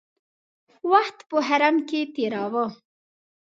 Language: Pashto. وخت په حرم کې تېراوه.